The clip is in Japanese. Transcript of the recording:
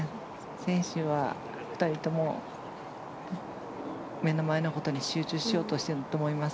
選手は２人とも目の前のことに集中しようとしてると思います。